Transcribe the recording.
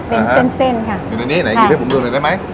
เป็นเส้นเส้นค่ะอยู่ในนี้ไหนหยิบให้ผมดูหน่อยได้ไหม